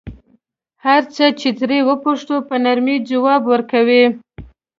هر څه چې ترې وپوښتو په نرمۍ ځواب ورکوي.